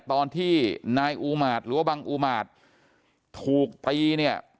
ตอนที่นายอูมาตรหรือว่าบังอุมาตถูกตีเนี่ย